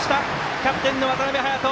キャプテンの渡邊颯人。